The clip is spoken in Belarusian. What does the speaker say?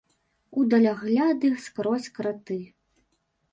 У далягляды скрозь краты.